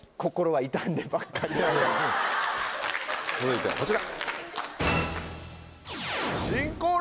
続いてはこちら。